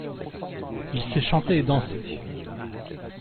Il sait chanter et danser.